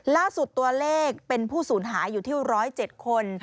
ล่าสุดตัวเลขเป็นผู้สูญหายอยู่ที่๑๐๗คน